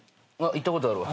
行ったことあるわ。